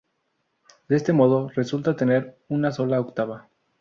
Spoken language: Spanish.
De este modo resulta tener una sola octava.